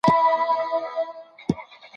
رحیم په غوسه کې حجره پرېښوده.